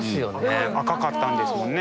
赤かったんですもんね。